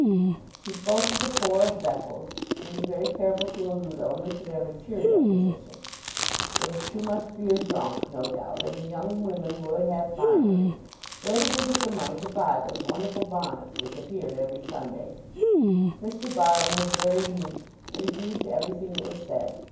She spoke of the poor of Beccles, being very careful to allude only to their material position. There was too much beer drunk, no doubt, and the young women would have finery. Where did they get the money to buy those wonderful bonnets which appeared every Sunday? Mr. Barham was very meek, and agreed to everything that was said.